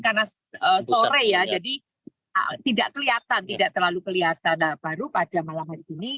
karena sore ya jadi tidak kelihatan tidak terlalu kelihatan baru pada malam hari ini